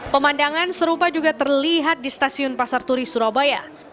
pemandangan serupa juga terlihat di stasiun pasar turi surabaya